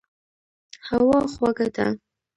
هوا خوږه ده.